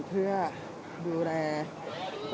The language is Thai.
สวัสดีครับ